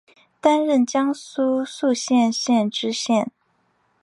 担任江苏宿迁县知县。